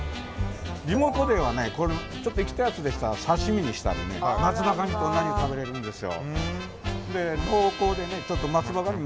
地元ではちょっと生きたやつでしたら刺身にしたりね松葉ガニと同じように食べられるんですよ。